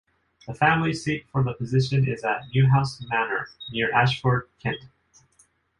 The family seat for the position is at Newhouse Manor, near Ashford, Kent.